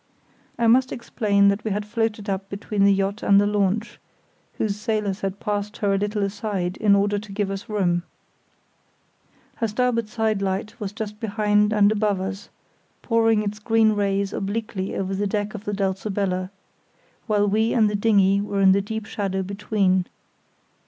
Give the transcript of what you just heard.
I must explain that we had floated up between the yacht and the launch, whose sailors had passed her a little aside in order to give us room. Her starboard side light was just behind and above us, pouring its green rays obliquely over the deck of the Dulcibella, while we and the dinghy were in deep shadow between.